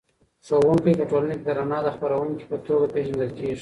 ښوونکی په ټولنه کې د رڼا د خپروونکي په توګه پېژندل کېږي.